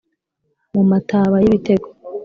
mu mataba y’ibitego